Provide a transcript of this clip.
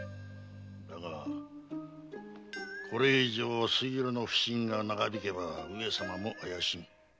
だがこれ以上水路の普請が長引けば上様も怪しむ。